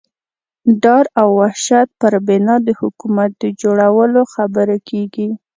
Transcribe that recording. ډار او وحشت پر بنا د حکومت د جوړولو خبرې کېږي.